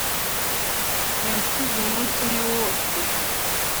Yansize umunsi umwe wose